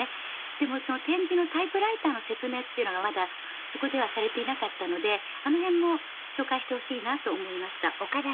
でもその点字のタイプライターの説明っていうのがまだそこではされていなかったのであの辺も紹介してほしいなと思いました。